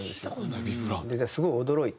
すごい驚いて。